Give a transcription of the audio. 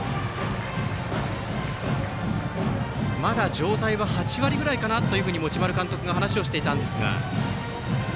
まだ状態は８割ぐらいかなと持丸監督が話をしていましたが。